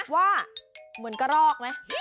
ว่าเหมือนกระรอกไหม